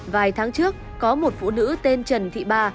vài tháng trước có một phụ nữ tên trần thị ba